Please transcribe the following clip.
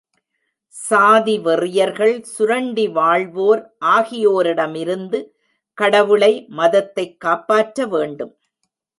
சாதி வெறியர்கள், சுரண்டி வாழ்வோர் ஆகியோரிடமிருந்து கடவுளை, மதத்தைக் காப்பாற்ற வேண்டும்.